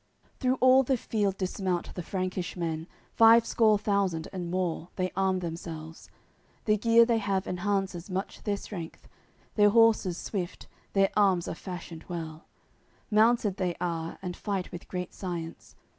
AOI. CCXVI Through all the field dismount the Frankish men, Five score thousand and more, they arm themselves; The gear they have enhances much their strength, Their horses swift, their arms are fashioned well; Mounted they are, and fight with great science.